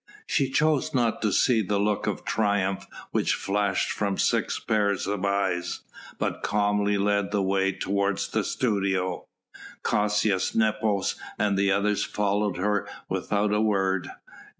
She chose not to see the look of triumph which flashed from six pairs of eyes, but calmly led the way toward the studio. Caius Nepos and the others followed her without a word.